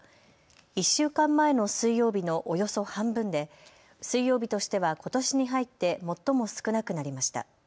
１週間前の水曜日のおよそ半分で水曜日としてはことしに入って最も少なくなりました。